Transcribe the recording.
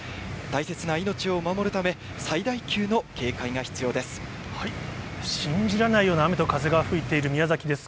大切な命を守るため、最大級の警戒が必要です。